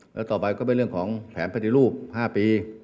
แล้วต่อไปก็เป็นเรื่องของแผนปฏิรูป๕ปี